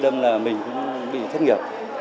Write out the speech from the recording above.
nên là mình cũng bị thất nghiệp